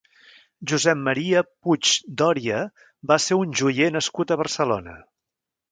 Josep Maria Puig Doria va ser un joier nascut a Barcelona.